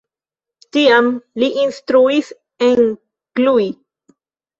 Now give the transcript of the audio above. Tiam li instruis en Cluj.